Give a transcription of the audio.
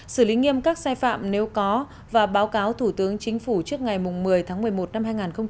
xử lý nghiêm các sai phạm nếu có và báo cáo thủ tướng chính phủ trước ngày một mươi tháng một mươi một năm hai nghìn hai mươi